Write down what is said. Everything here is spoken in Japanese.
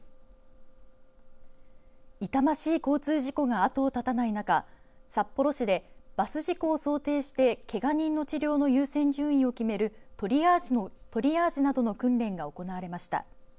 痛ましい交通事故が後を絶たない中札幌市でバス事故を想定してけが人の治療の優先順位を決めるトリアージなどの訓練が行われました。